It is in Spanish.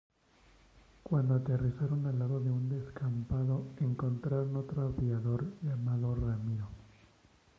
Cuando aterrizaron al lado de un descampado encontraron otro aviador llamado Ramiro.